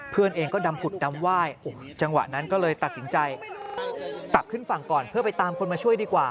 เพื่อนเองก็ดำผุดดำไหว้จังหวะนั้นก็เลยตัดสินใจกลับขึ้นฝั่งก่อนเพื่อไปตามคนมาช่วยดีกว่า